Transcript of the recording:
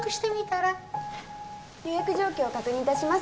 ・予約状況確認いたします。